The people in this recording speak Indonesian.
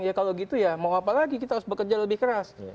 ya kalau gitu ya mau apa lagi kita harus bekerja lebih keras